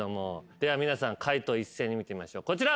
では皆さん解答を一斉に見てみましょうこちら。